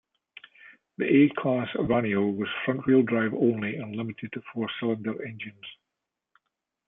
The A-class Vaneo was front-wheel-drive only and limited to four-cylinder engines.